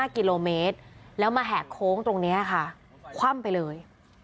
๕กิโลเมตรแล้วมาแหกโค้งตรงนี้ค่ะคว่ำไปเลย